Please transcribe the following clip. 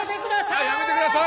はいやめてください